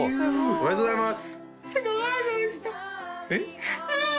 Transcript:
おめでとうございます